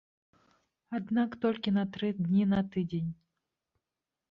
Аднак толькі на тры дні на тыдзень.